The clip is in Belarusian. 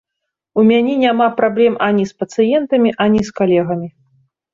У мяне няма праблем ані з пацыентамі, ані з калегамі.